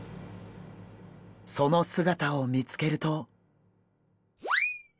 その姿を見つけると。